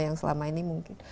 yang selama ini mungkin